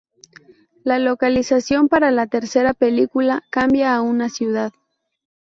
La localización para la tercera película cambia a una ciudad.